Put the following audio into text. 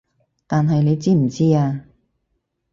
但係你知唔知啊